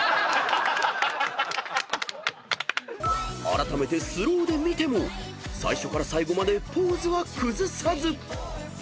［あらためてスローで見ても最初から最後までポーズは崩さず］